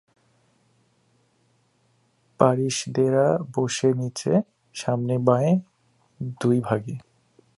পারিষদেরা বসে নীচে, সামনে বাঁয়ে দুই ভাগে।